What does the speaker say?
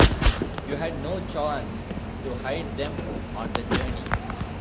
You had no chance to hide them on the journey.